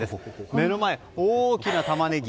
目の前に大きなタマネギ。